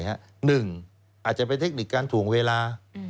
หนึ่งอาจจะเป็นเทคนิคการถูกเวลา